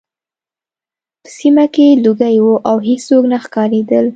په سیمه کې لوګي وو او هېڅوک نه ښکارېدل